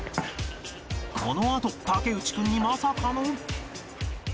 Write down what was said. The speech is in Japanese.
このあと竹内君にまさかの